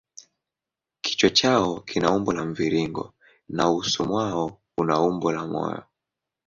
Kichwa chao kina umbo la mviringo na uso mwao una umbo la moyo.